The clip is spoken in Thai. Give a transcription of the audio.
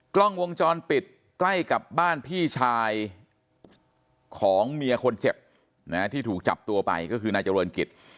กล้องวงจรปิดใกล้กับบ้านพี่ชายของเมียคนเจ็บที่ถูกจับตัวไปก็คือนายเจริญกิจ